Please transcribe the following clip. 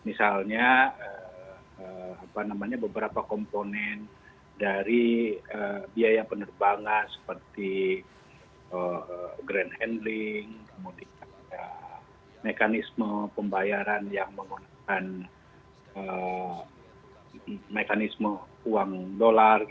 misalnya beberapa komponen dari biaya penerbangan seperti grand handling mekanisme pembayaran yang menggunakan mekanisme uang dolar